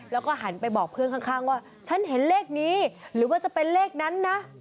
แล้วก็หันไปบอกเพื่อนข้างว่าฉันเห็นเลขนี้หรือว่าจะเป็นเลขนั้นนะ